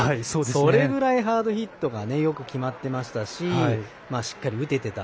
それぐらいハードヒットがよく決まってましたししっかり打てていた。